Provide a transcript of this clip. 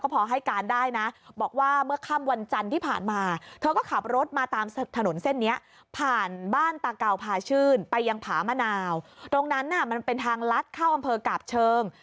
พาเก่าพาชื่นไปยังผามะนาวตรงนั้นน่ะมันเป็นทางลัดเข้าอำเภอกาบเชิง